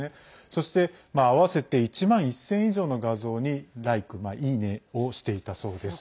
そして合わせて１万１０００以上の画像にライク、いいねをしていたそうです。